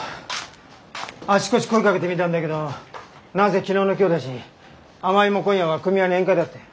あちこち声かけてみたんだけど何せ昨日の今日だしあまゆも今夜は組合の宴会だって。